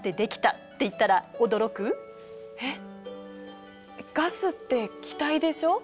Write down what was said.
えっガスって気体でしょ。